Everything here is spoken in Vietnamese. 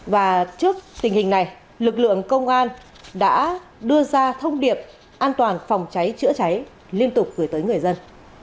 và trước tình hình này lực lượng công an đã đưa ra thông điệp an toàn phòng cháy chữa cháy liên tục gửi tới người dân